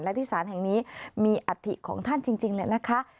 และที่ศาลแห่งนี้มีอัฐิของท่านจริงเลยนะคะ